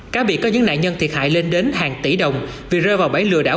cá biệt có những nạn nhân thiệt hại lên đến hàng tỷ đồng vì rơi vào bẫy lừa đảo